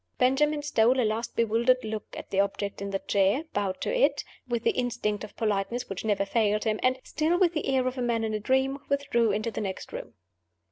Benjamin stole a last bewildered look at the object in the chair; bowed to it, with the instinct of politeness which never failed him; and (still with the air of a man in a dream) withdrew into the next room.